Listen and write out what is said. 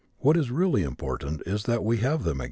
What is really important is that we again have them.